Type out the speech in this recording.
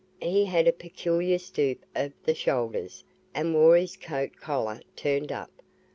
He had a peculiar stoop of the shoulders and wore his coat collar turned up.